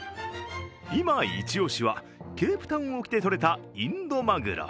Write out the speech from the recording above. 今一押しはケープタウン沖でとれたインドマグロ。